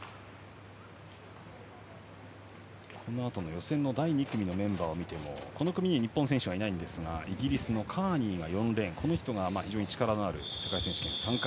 このあと予選第２組のメンバーを見てもこの組に日本選手はいませんがイギリスのカーニーがこの人は非常に力のある世界選手権で３冠。